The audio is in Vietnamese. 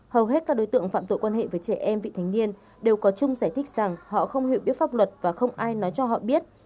hầu hết các đối tượng phạm tội quan hệ với trẻ em vị thành niên đều có chung giải thích rằng họ không hiểu biết pháp luật và không ai nói cho họ biết